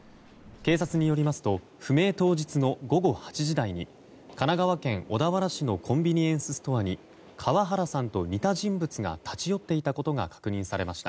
警察によりますと不明当日の午後８時台に神奈川県小田原市のコンビニエンスストアに川原さんと似た人物が立ち寄っていたことが確認されました。